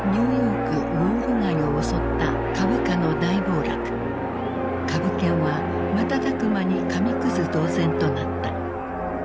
株券は瞬く間に紙くず同然となった。